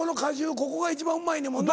ここがいちばんうまいねんもんな。